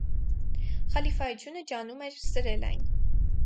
Խալիֆայությունը ջանում էր սրել այն։